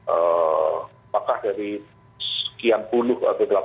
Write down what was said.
apakah dari sekian perhubungan